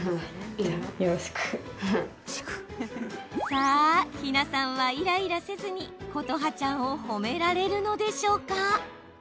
さあ、緋奈さんはイライラせずに琴花ちゃんを褒められるのでしょうか。